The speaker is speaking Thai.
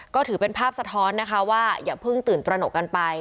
ก็ถือเป็นภาพสะท้อนนะคะว่าอย่าเพิ่งตื่นตระหนกกันไป